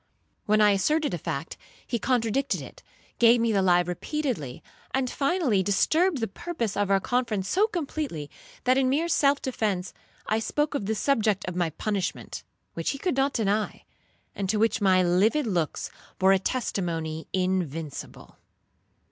When I asserted a fact, he contradicted it, gave me the lie repeatedly, and finally disturbed the purpose of our conference so completely, that in mere self defence, I spoke of the subject of my punishment, which he could not deny, and to which my livid looks bore a testimony invincible.